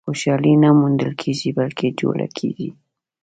• خوشالي نه موندل کېږي، بلکې جوړه کېږي.